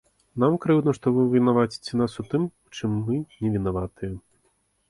Нам крыўдна, што вы вінаваціце нас у тым, у чым мы не вінаватыя.